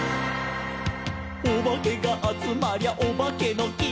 「おばけがあつまりゃおばけのき」